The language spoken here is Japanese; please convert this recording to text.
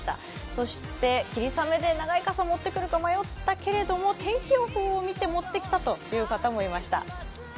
そして霧雨で長い傘持ってくるか迷ったけれども天気予報を見て持ってきたという方もいました。